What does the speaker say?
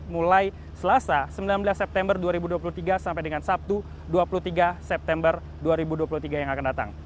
mulai selasa sembilan belas september dua ribu dua puluh tiga sampai dengan sabtu dua puluh tiga september dua ribu dua puluh tiga yang akan datang